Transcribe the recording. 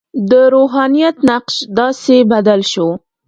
د روحانیت نقش داسې بدل شو.